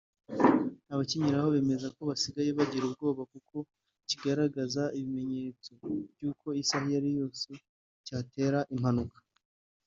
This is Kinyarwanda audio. Abakinyuraho bemeza ko basigaye bagira ubwoba kuko kigaragaza ibimenyetso by’uko isaha iyo ari yo yose cyatera impanuka